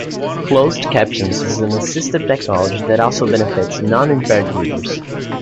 Closed Captions is an assistive technology that also benefits non-impaired users.